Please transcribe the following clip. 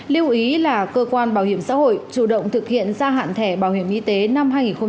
lưu ý là cơ quan bảo hiểm xã hội chủ động thực hiện gia hạn thẻ bảo hiểm y tế năm hai nghìn hai mươi